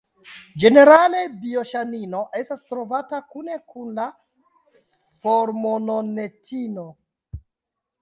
Ĝenerale bioŝanino estas trovata kune kun la formononetino.